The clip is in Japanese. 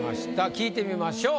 聞いてみましょう。